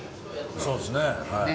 そうっすね。